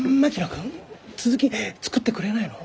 君続き作ってくれないの？